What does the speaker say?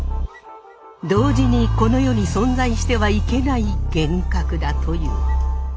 同時にこの世に存在してはいけない幻覚だという。